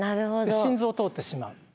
心臓通ってしまう。